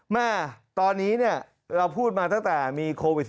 แม่ตอนนี้เราพูดมาตั้งแต่มีโควิด๑๙